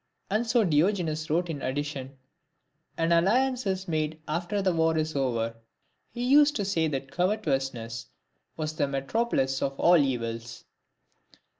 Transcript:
And so Diogenes wrote in addition, "An alliance is made after the war is over." He used to say that covetousness was the metropolis of all evils.